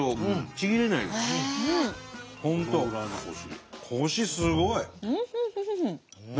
本当コシすごい。